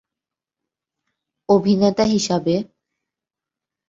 অভিনেতা হিসাবে